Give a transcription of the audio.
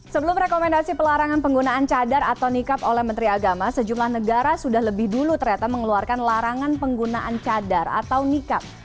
sebelum rekomendasi pelarangan penggunaan cadar atau nikab oleh menteri agama sejumlah negara sudah lebih dulu ternyata mengeluarkan larangan penggunaan cadar atau nikab